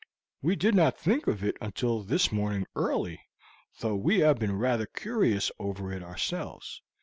"We did not think of it until this morning early, though we have been rather curious over it ourselves.